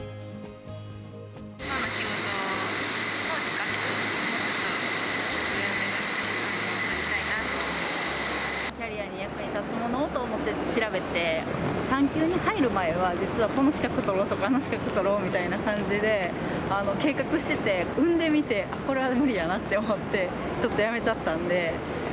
今の仕事の資格をもうちょっと上を目指して資格を取りたいなキャリアにやっぱり役に立つものをということで、調べて、産休に入る前は、実はこの資格取ろうとか、あの資格取ろうみたいな感じで、計画してて、産んでみて、これは無理やなって思って、ちょっとやめちゃったんで。